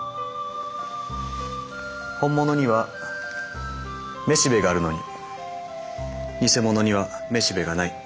ホンモノにはめしべがあるのにニセモノにはめしべがない。